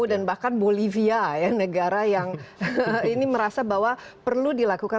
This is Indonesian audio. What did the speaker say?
dan bahkan bolivia ya negara yang ini merasa bahwa perlu dilakukan